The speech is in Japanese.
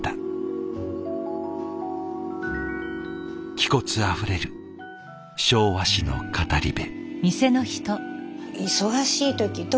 気骨あふれる昭和史の語り部。